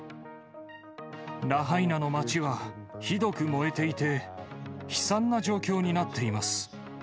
ラハイナの街はひどく燃えていて、悲惨な状況になっています。